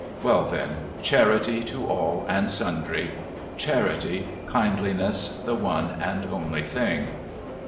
Well, then, Charity to all and sundry Charity, kindliness, the one and only thing.